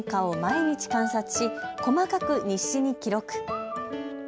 体調の変化を毎日、観察し細かく日誌に記録。